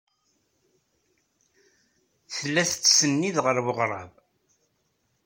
Tella tettsennid ɣer weɣrab.